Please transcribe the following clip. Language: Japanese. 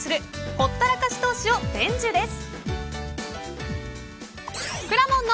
ほったらかし投資を伝授です。